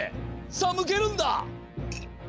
さあむけるんだ！